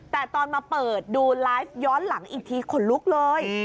แต่ตอนมาเปิดดูไลฟ์ย้อนหลังอีกทีขนลุกเลย